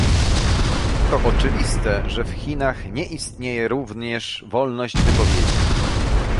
To oczywiste, że w Chinach nie istnieje również wolność wypowiedzi